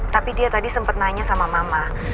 tapi dia tadi sempat nanya sama mama